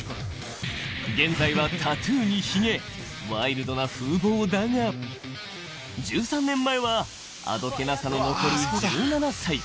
現在はタトゥーにヒゲ、ワイルドな風貌だが、１３年前はあどけなさの残る１７歳。